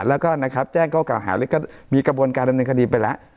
แล้วก็นะครับแจ้งข้อเก่าหาแล้วก็มีกระบวนการดำเนินคดีไปแล้ว